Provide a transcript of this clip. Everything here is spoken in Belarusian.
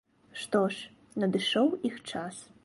Што ж, надышоў іх час.